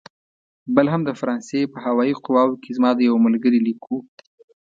بل هم د فرانسې په هوايي قواوو کې زما د یوه ملګري لیک و.